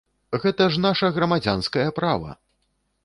Гэта ж наша грамадзянскае права!